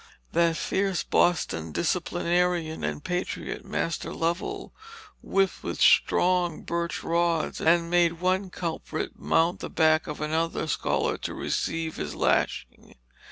That fierce Boston disciplinarian and patriot, Master Lovell, whipped with strong birch rods, and made one culprit mount the back of another scholar to receive his lashing.